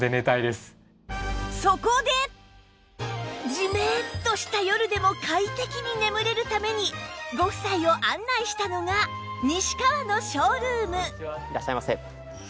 ジメッとした夜でも快適に眠れるためにご夫妻を案内したのが西川のショールームいらっしゃいませ。